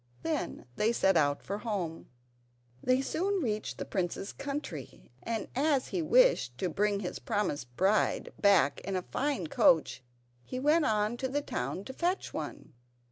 Then they set out for home. They soon reached the prince's country, and as he wished to bring his promised bride back in a fine coach he went on to the town to fetch one.